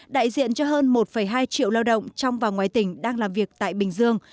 đại diện cho hơn một hai triệu lao động trong và ngoài tỉnh đang làm việc tại bình dương